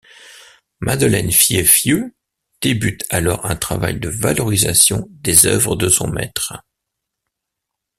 Madeleine Fié-Fieux débute alors un travail de valorisation des œuvres de son maître.